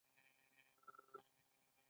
آیا د غنمو د کرلو پر مهال تور کود ورکړم؟